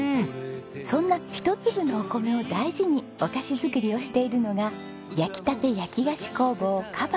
そんな一粒のお米を大事にお菓子作りをしているのが焼きたて焼き菓子工房ｋａｂａｃｏ。